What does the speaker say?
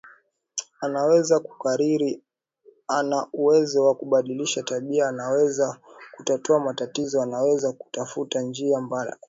Anaweza kukariri ana uwezo wa kubadilisha tabia anaweza kutatua matatizo anaweza kutafuta njia mbali